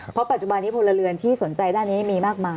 เพราะปัจจุบันนี้พลเรือนที่สนใจด้านนี้มีมากมาย